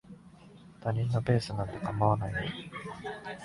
他人のペースなんて構わないよ。